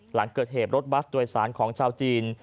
หลังเกิดเหตุรถบัสโดยสารของชาวจีน